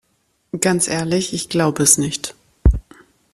Ganz ehrlich, ich glaube es nicht.